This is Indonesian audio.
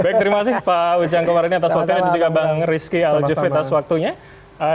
baik terima kasih pak ujang komarini atas waktunya dan juga bang rizky al jufri atas waktunya